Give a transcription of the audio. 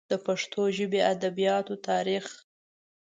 د پښتو ژبې ادبیاتو تاریخ